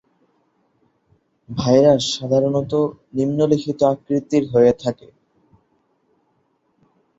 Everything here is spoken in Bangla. ভাইরাস সাধারণত নিম্ন লিখিত আকৃতির হয়ে থাকে।